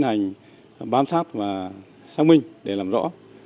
thành bám sát và xác minh để làm rõ